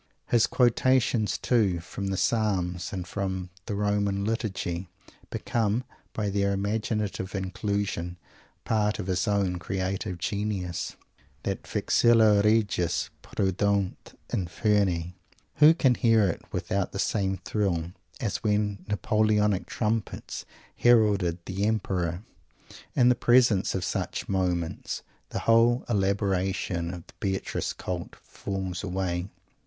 His quotations, too, from the Psalms, and from the Roman Liturgy, become, by their imaginative inclusion, part of his own creative genius. That "Vexilla regis prodeunt Inferni!" Who can hear it without the same thrill, as when Napoleonic trumpets heralded the Emperor! In the presence of such moments the whole elaboration of the Beatrice Cult falls away.